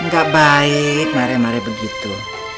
gak baik mare mare begitu